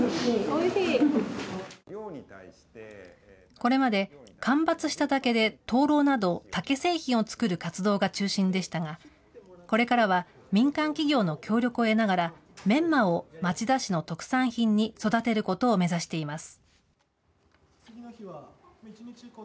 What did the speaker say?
これまで、間伐した竹で灯籠など竹製品を作る活動が中心でしたが、これからは民間企業の協力を得ながら、メンマを町田市の特産品に育てることを目指しています。